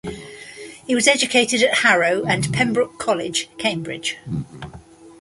He was educated at Harrow and Pembroke College, Cambridge.